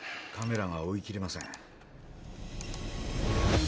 カメラが追い切れません。